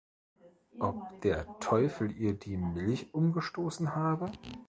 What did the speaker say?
Ob der Teufel ihr die Milch umgestoßen habe?